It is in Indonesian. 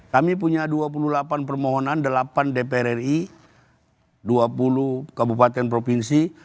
kami punya dua puluh delapan permohonan delapan dpr ri dua puluh kabupaten provinsi